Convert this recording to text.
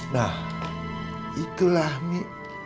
nah itulah mi